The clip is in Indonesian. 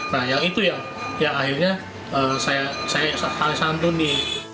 nah yang itu yang akhirnya saya santuni